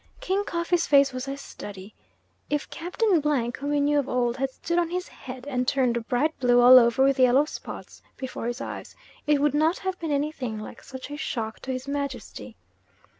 King Koffee's face was a study. If Captain , whom he knew of old, had stood on his head and turned bright blue all over with yellow spots, before his eyes, it would not have been anything like such a shock to his Majesty.